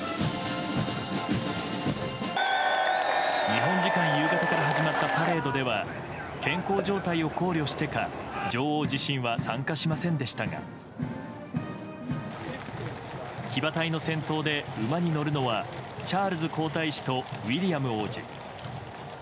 日本時間夕方から始まったパレードでは健康状態を考慮してか女王自身は参加しませんでしたが騎馬隊の先頭で馬に乗るのはチャールズ皇太子とウィリアム王子。